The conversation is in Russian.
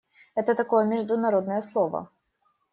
Это такое международное слово.